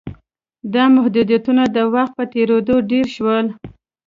دا محدودیتونه د وخت په تېرېدو ډېر شول